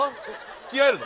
つきあえるの？